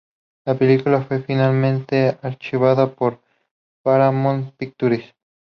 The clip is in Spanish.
La película fue finalmente archivada por Paramount Pictures.